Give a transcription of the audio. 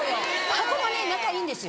ここもね仲いいんですよ。